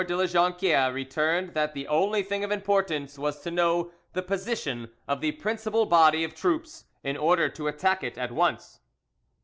de La Jonquiere returned that the only thing of importance was to know the position of the principal body of troops in order to attack it at once.